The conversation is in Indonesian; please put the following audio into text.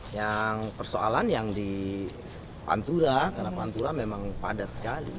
yang persoalan yang di pantura karena pantura memang padat sekali